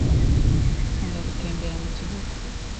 Nkunda gutembera mu gihugu.